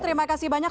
terima kasih banyak